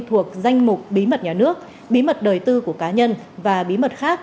thuộc danh mục bí mật nhà nước bí mật đời tư của cá nhân và bí mật khác